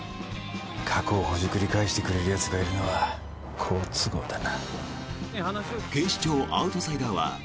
過去をほじくり返してくれるやつがいるのは好都合だな。